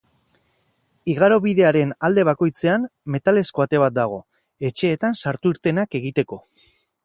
Igarobidearen alde bakoitzean metalezko ate bat dago, etxeetan sartu-irtenak egiteko.